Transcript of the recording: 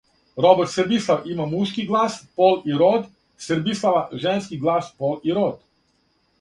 Робот Србислав има мушки глас, пол и род. Србислава женски глас, пол и род